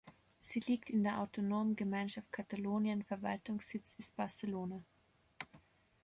Sie liegt in der Autonomen Gemeinschaft Katalonien, Verwaltungssitz ist Barcelona.